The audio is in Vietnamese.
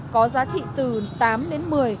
có giá trị từ tám đến một mươi